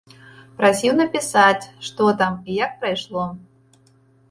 Прасіў напісаць што там і як прайшло.